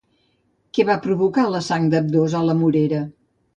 Què va provocar la sang d'ambdós a la morera?